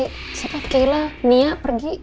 kayak kayla nia pergi